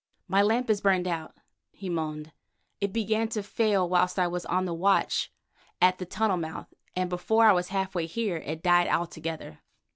"My lamp is burned out," he moaned; "it began to fail whilst I was on watch at the tunnel mouth, and before I was half way here it died altogether.